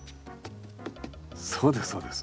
そうですそうです。